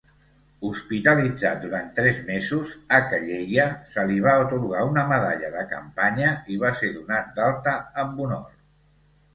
Hospitalitzat durant tres mesos, a Calleia se li va atorgar una medalla de campanya i va ser donat d'alta amb honor.